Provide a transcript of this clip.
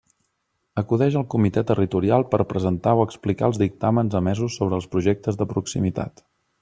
Acudeix al Comitè Territorial per presentar o explicar els dictàmens emesos sobre els projectes de proximitat.